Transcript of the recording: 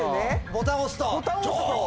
ボタン押すと。